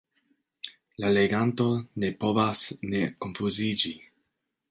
La leganto ne povas ne konfuziĝi.